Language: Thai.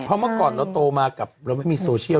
เพราะเมื่อก่อนเราโตมากับเราไม่มีโซเชียล